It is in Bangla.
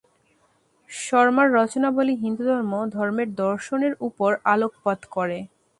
শর্মার রচনাবলি হিন্দুধর্ম, ধর্মের দর্শনের উপর আলোকপাত করে।